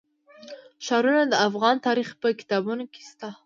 ښارونه د افغان تاریخ په کتابونو کې شته.